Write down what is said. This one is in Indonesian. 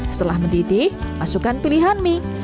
setelah mendidih masukkan pilihan mie